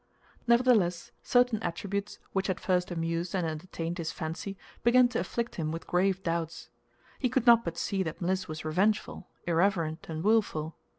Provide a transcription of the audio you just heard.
Nevertheless, certain attributes which at first amused and entertained his fancy began to afflict him with grave doubts. He could not but see that Mliss was revengeful, irreverent, and willful.